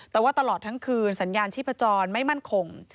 แต่ว่าตลอดทั้งคืนสัญญาณชีพจรไม่มั่นคง